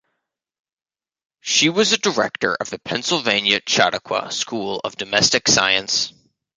She was a director of the Pennsylvania Chautauqua School of Domestic Science.